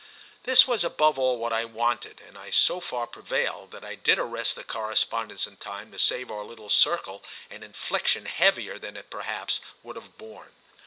This was above all what I wanted, and I so far prevailed that I did arrest the correspondence in time to save our little circle an infliction heavier than it perhaps would have borne.